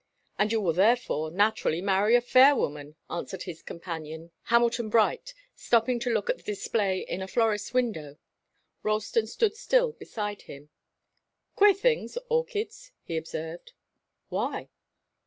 "And you will therefore naturally marry a fair woman," answered his companion, Hamilton Bright, stopping to look at the display in a florist's window. Ralston stood still beside him. "Queer things orchids," he observed. "Why?"